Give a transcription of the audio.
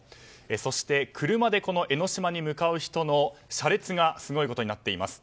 そして、車で江の島に向かう人の車列がすごいことになっています。